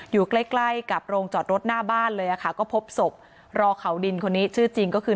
อยู่ใกล้ใกล้กับโรงจอดรถหน้าบ้านเลยค่ะก็พบศพรอเขาดินคนนี้ชื่อจริงก็คือ